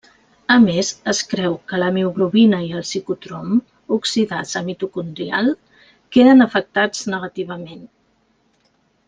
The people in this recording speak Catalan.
A més, es creu que la mioglobina i el citocrom oxidasa mitocondrial queden afectats negativament.